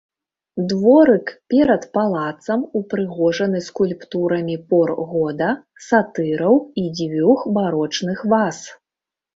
Дворык перад палацам упрыгожаны скульптурамі пор года, сатыраў і дзвюх барочных ваз.